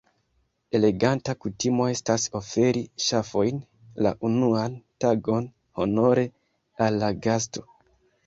Eleganta kutimo estas oferi ŝafojn la unuan tagon honore al la gasto.